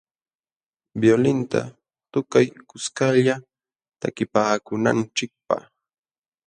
Violinta tukay kuskalla takipaakunanchikpaq.